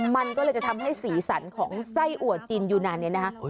มันก็เลยจะทำให้สีสันของไส้อัวจีนยูนานเนี่ยนะคะ